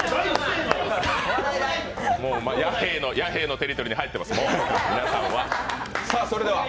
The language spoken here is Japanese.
弥平のテリトリーに入ってます、皆さんは。